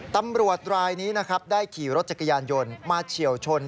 ตำรวจรายนี้นะครับได้ขี่รถจักรยานยนต์มาเฉียวชน